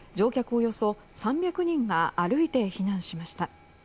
およそ３００人が歩いて避難しました。